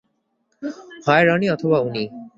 হয় রনি অথবা ডনি।